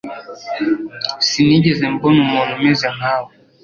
Sinigeze mbona umuntu umeze nka we.